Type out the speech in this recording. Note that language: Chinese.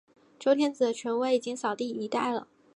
周天子的权威已扫地殆尽了。